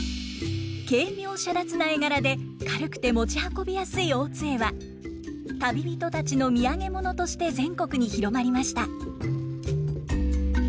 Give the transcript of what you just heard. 軽妙洒脱な絵柄で軽くて持ち運びやすい大津絵は旅人たちの土産物として全国に広まりました。